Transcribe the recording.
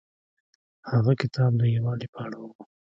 هغه کتاب د یووالي په اړه و.